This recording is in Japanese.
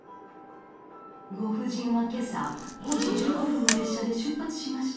「ご婦人は今朝５時１５分の列車で出発しました。